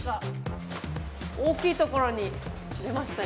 大きいところに出ましたよ。